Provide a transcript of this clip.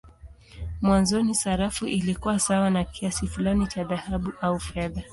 Mwanzoni sarafu ilikuwa sawa na kiasi fulani cha dhahabu au fedha.